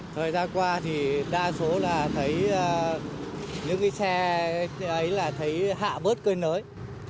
thời gian qua thì đa số là thấy những cái xe ấy là thấy hạ bớt cơi nới